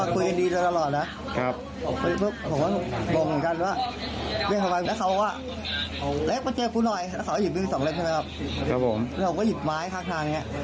คือเขาต้มฟันกันตรงนี้นะครับต้มฟันกันแถวนี้แหละ